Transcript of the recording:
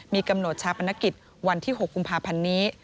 มีกำหนดชาปนกิจวันที่๖กุมภาพันธ์นี้